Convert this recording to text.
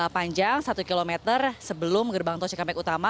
panjang satu km sebelum gerbang tol cikampek utama